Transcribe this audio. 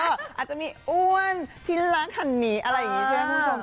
อาจจะมีอ้วนทิ้นรักหันนีอะไรอย่างงี้สินะคุณผู้ชม